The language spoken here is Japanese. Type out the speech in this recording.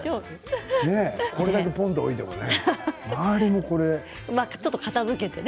これをぽんと置いてもね。